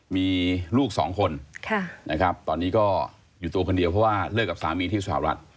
มีลูกสองคนนะครับตอนนี้ก็อยู่ตัวคนเดียวเพราะว่าเลิกกับสามีที่สหรัฐ